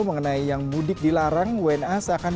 mengenai yang mudik dilarang wna seakan